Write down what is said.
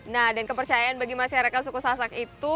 nah dan kepercayaan bagi masyarakat suku sasak itu